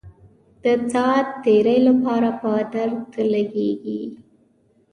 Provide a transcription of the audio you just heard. د ساعت تیرۍ لپاره په درد لګېږي.